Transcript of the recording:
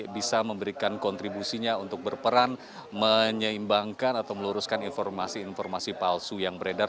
bisa memberikan kontribusinya untuk berperan menyeimbangkan atau meluruskan informasi informasi palsu yang beredar